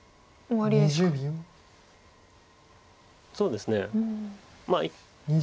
そうですね。